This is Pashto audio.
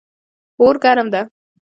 اور ګرم ده